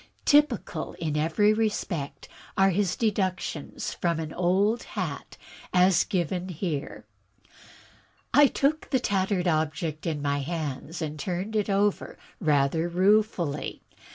T3T>ical in every respect, are his deductions from an old hat as here given: I took the tattered object in my hands and turned it over rather ruefully.